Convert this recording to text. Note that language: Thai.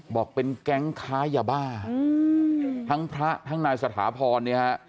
บอกเป็นแก๊งค้ายาบ้าทั้งพระทั้งนายสถาพรเนี่ยฮะ